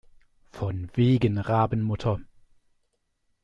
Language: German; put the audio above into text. Von wegen Rabenmutter!